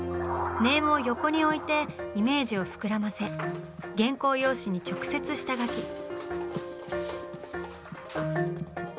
ネームを横に置いてイメージを膨らませ原稿用紙に直接下描き。